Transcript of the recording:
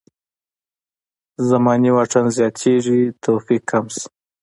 زماني واټن زیاتېږي توفیق کم شي.